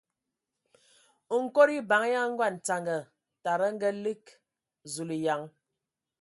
Nkod eban ya Ngondzanga tada a ngalig Zulǝyan!